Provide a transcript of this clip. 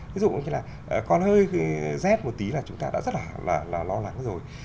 ví dụ như là con hơi rét một tí là chúng ta đã rất là lo lắng rồi